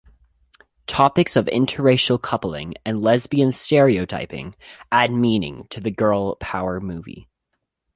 Topics of interracial coupling and lesbian stereotyping add meaning to the girl power movie.